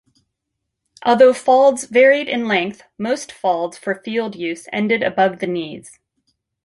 Although faulds varied in length, most faulds for field use ended above the knees.